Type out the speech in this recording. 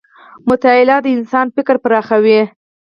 مطالعه د انسان فکر پراخوي.